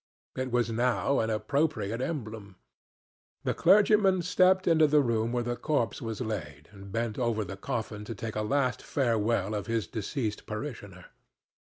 It was now an appropriate emblem. The clergyman stepped into the room where the corpse was laid, and bent over the coffin to take a last farewell of his deceased parishioner.